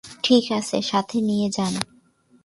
ঠিক আছে, সাথে নিয়ে যান।